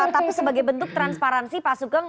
tapi sebagai bentuk transparansi pak sugeng